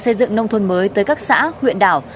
xây dựng nông thôn mới tới các xã huyện đảo